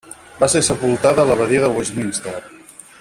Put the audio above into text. Va ser sepultada a l'abadia de Westminster.